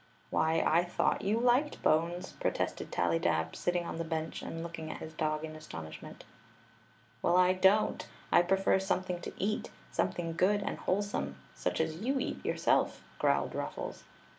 "Why,I*thought you liked bones!" protested Tally dab, sitting on the bench and looking at his dog in astonishmoit "Well, I don't. I prefer something to eat — sume Queen Zixi of Ix; or, the thing good and wholesome, such as you eat yourself," growled Ruffles.